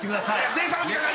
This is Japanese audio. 電車の時間が。